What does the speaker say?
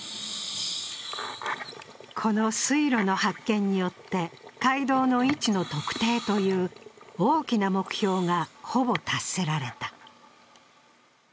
この水路の発見によって、街道の位置の特定という大きな目標がほぼ達せられた。